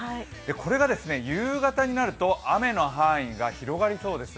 これが夕方になると雨の範囲が広がりそうです。